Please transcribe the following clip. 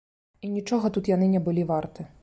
І нічога тут яны не былі варты.